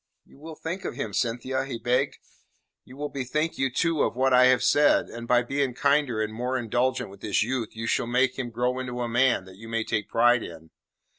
"You will think of him, Cynthia?" he begged. "You will bethink you too of what I have said, and by being kinder and more indulgent with this youth you shall make him grow into a man you may take pride in.